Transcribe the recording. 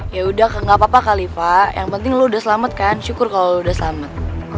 yaudah gak apa apa kali pak yang penting lo udah selamat kan syukur kalo lo udah selamat